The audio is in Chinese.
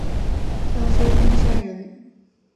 江苏昆山人。